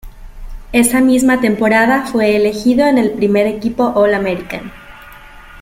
Esa misma temporada fue elegido en el primer equipo All-American.